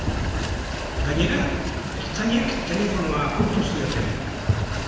Gainera, ertzainek telefonoa apurtu zioten.